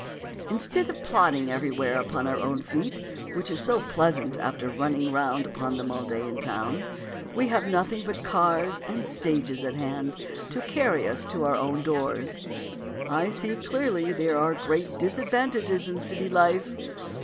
Instead of plodding everywhere upon our own feet, which is so pleasant after running round upon them all day in town, we have nothing but cars and stages at hand to carry us to our own doors. I see clearly there are great disadvantages in city life.